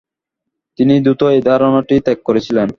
তিনি দ্রুত এই ধারণাটি ত্যাগ করেছিলেন।